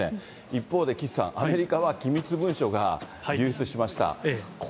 一方で、岸さん、アメリカは機密文書が流出しました。